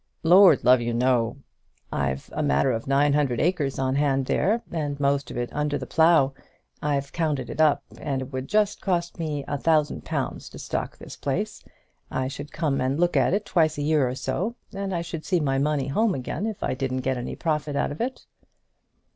"Lord love you, no. I've a matter of nine hundred acres on hand there, and most of it under the plough. I've counted it up, and it would just cost me a thousand pounds to stock this place. I should come and look at it twice a year or so, and I should see my money home again, if I didn't get any profit out of it."